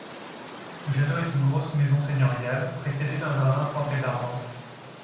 Le château est une grosse maison seigneuriale, précédé d'un jardin planté d'arbres.